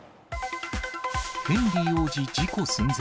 ヘンリー王子事故寸前。